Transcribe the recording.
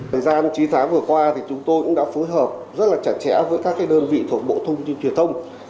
thời gian chín tháng vừa qua thì chúng tôi cũng đã phối hợp rất là chặt chẽ với các đơn vị thuộc bộ thông tin truyền thông